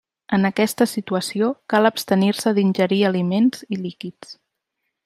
En aquesta situació cal abstenir-se d'ingerir aliments i líquids.